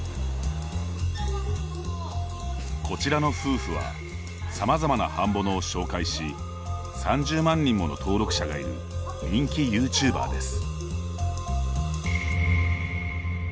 こちらの夫婦はさまざまなハンボノを紹介し３０万人もの登録者がいる人気ユーチューバーです。